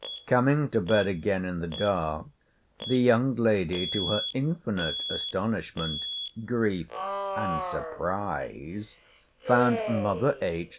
] coming to bed again in the dark, the young lady, to her infinite astonishment, grief, and surprise, found mother H.